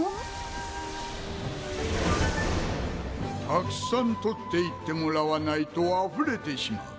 たくさん採っていってもらわないとあふれてしまう。